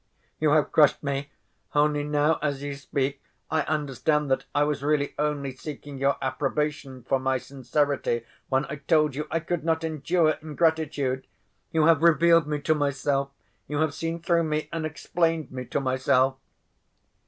"You have crushed me! Only now, as you speak, I understand that I was really only seeking your approbation for my sincerity when I told you I could not endure ingratitude. You have revealed me to myself. You have seen through me and explained me to myself!"